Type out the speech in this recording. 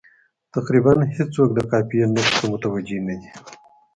تقریبا هېڅوک د قافیې نقص ته متوجه نه دي.